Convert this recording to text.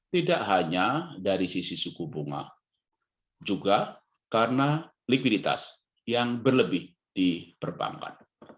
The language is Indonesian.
tidak hanya dari sisi suku bunga juga karena likuiditas yang berlebih di perbankan